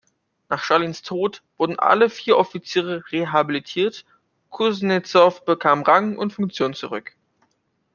Nach Stalins Tod wurden alle vier Offiziere rehabilitiert, Kusnezow bekam Rang und Funktion zurück.